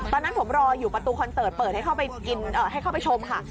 ตอนนั้นผมรออยู่ประตูคอนเสิร์ตเปิดให้เข้าไปชมค่ะ